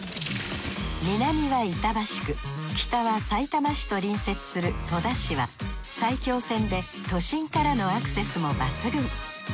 南は板橋区北はさいたま市と隣接する戸田市は埼京線で都心からのアクセスも抜群。